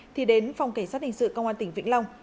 thì đến phòng cảnh sát hình sự công an tỉnh vĩnh long